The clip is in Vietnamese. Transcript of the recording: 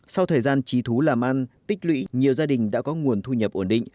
sau thời gian trí thú làm ăn tích lũy nhiều gia đình đã có nguồn thu nhập ổn định